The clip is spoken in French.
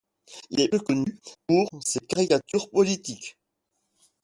Il est plus connu pour ses caricatures politiques.